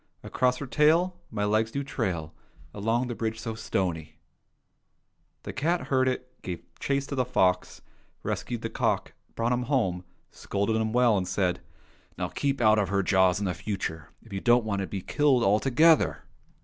Across her tail My legs do trail Along the bridge so stony I " The cat heard it, gave chase to the fox, rescued the cock, brought him home, scolded him well, and said, " Now keep out of her jaws in the future, if you don't want to be killed altogether